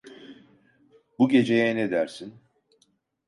Bu geceye ne dersin?